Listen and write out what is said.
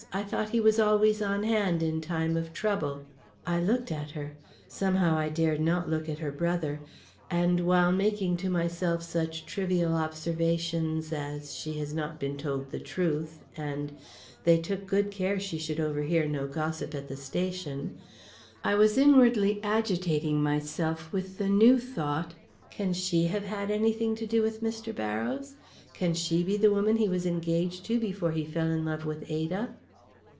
I thought he was always on hand in time of trouble." I looked at her; somehow, I dared not look at her brother; and, while making to myself such trivial observations as, "She has not been told the truth," and, "They took good care she should overhear no gossip at the station," I was inwardly agitating myself with the new thought, "Can she have had any thing to do with Mr. Barrows? Can she be the woman he was engaged to before he fell in love with Ada?"